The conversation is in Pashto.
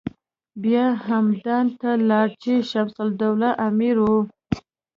بیا همدان ته لاړ چې شمس الدوله امیر و.